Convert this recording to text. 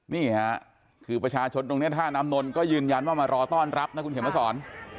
เนี่ยคือประชาชนตรงเนี่ยท่านอำนวลก็ยืนยันมามารอต้อนรับนะคุณเฮียบมัสซอน